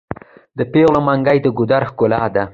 د پیغلو منګي د ګودر ښکلا ده.